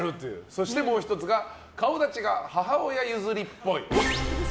そしてもう１つが顔立ちが母親譲りっぽい。